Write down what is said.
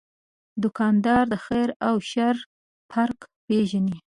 دوکاندار د خیر او شر فرق پېژني.